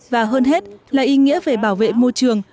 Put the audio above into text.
và hơn hết là ý nghĩa về bảo vệ môi trường